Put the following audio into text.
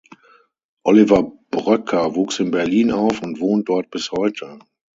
Oliver Bröcker wuchs in Berlin auf und wohnt dort bis heute.